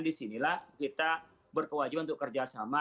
disinilah kita berkewajiban untuk kerjasama